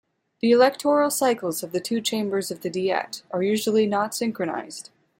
The electoral cycles of the two chambers of the Diet are usually not synchronized.